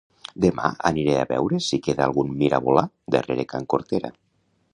Demà aniré a veure si queda algun mirabolà darrera can Cortera